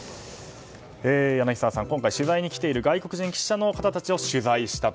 柳澤さん、今回取材に来ている外国人記者の方たちを取材したと。